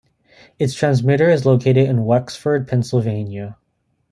Its transmitter is located in Wexford, Pennsylvania.